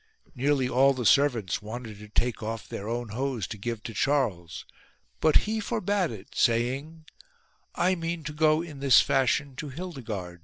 Nearly all his servants wanted to take off their own hose to give to Charles, but he forbade it saying : "I mean to go in this fashion to Hildigard."'